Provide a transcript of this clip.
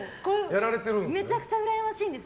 めちゃくちゃうらやましいんです。